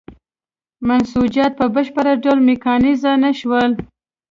منسوجات په بشپړ ډول میکانیزه نه شول.